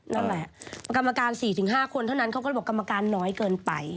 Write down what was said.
นั่นแหละกรรมการ๔๕คนเท่านั้นเขาก็เลยบอกกรรมการน้อยเกินไป